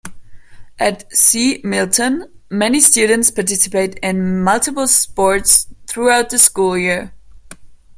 At C. Milton, many students participate in multiple sports throughout the school year.